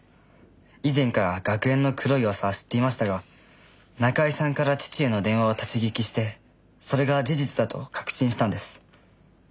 以前から学園の黒い噂は知っていましたが中居さんから父への電話を立ち聞きしてそれが事実だと確信したんです。